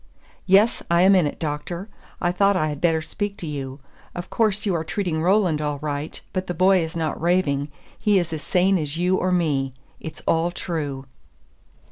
"Yes, I am in it, Doctor. I thought I had better speak to you. Of course you are treating Roland all right, but the boy is not raving, he is as sane as you or me. It's all true."